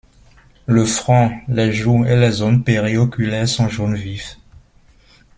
Le front, les joues et les zones périoculaires sont jaune vif.